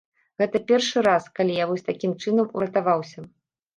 Гэта першы раз, калі я вось такім чынам уратаваўся.